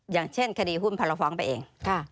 อย่างเช่นคดีหุ้นพอเราฟ้องไปเอง